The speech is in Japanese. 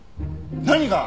何が！？